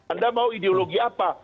anda mau ideologi apa